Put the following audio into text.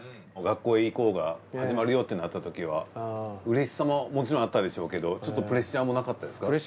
『学校へ行こう！』が始まるよってなったときはうれしさももちろんあったでしょうけどプレッシャーもなかったですか？